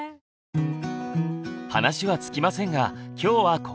話は尽きませんが今日はここまで。